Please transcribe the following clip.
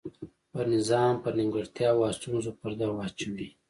پر نظام پر نیمګړتیاوو او ستونزو پرده واچوي.